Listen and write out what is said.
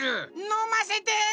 のませて！